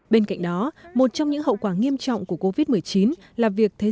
bên cạnh đó một trong những hậu quả nghiêm trọng của covid một mươi chín là việc thế